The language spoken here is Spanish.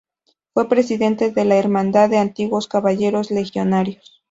Fue presidente de la Hermandad de Antiguos Caballeros Legionarios.